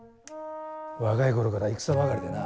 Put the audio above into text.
若い頃から戦ばかりでな